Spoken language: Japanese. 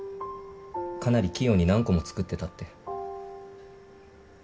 かなり器用に何個も作ってたって。